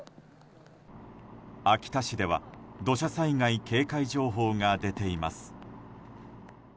秋田市では土砂災害警戒情報が出ています。